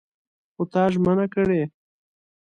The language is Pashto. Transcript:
خو تا ژمنه کړې!